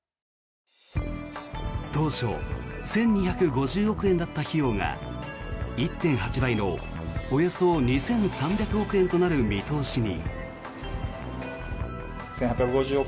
当初、１２５０億円だった費用が１．８倍のおよそ２３００億円となる見通しに。